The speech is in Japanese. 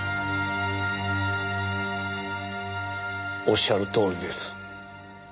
おっしゃるとおりです。